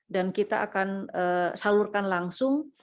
dan kita akan salurkan langsung